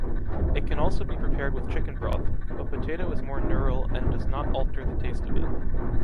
It can also be prepared with chicken broth, but potato is more neural and does not alter the taste of it.